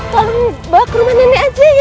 tolong balik ke rumah nenek aja gini ya